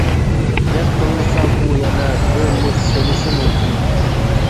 گەپ قىلمىسام ئۇ يەنە بىر مۇش سېلىشى مۇمكىن ئىدى.